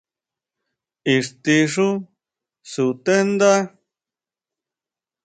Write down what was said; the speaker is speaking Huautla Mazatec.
¿Ixtí xú sutendá?